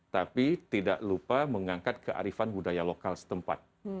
tapi tidak lupa mengangkat kearifan budaya lokal setempat